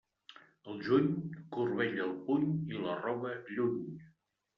Al juny, corbella al puny i la roba lluny.